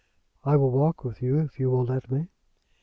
"I will walk with you, if you will let me."